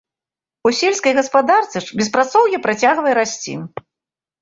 У сельскай гаспадарцы ж беспрацоўе працягвае расці.